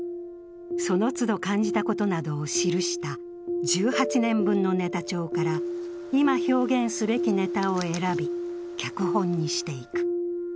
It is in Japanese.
そのつど感じたことなどを記した１８年分のネタ帳から今表現すべきネタを選び、脚本にしていく。